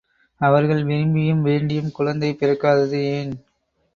அவர்கள் விரும்பியும் வேண்டியும் குழந்தை பிறக்காதது ஏன்?